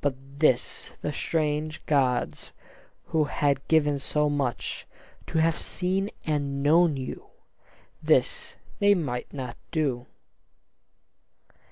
But this the strange gods, who had given so much, To have seen and known you, this they might not do.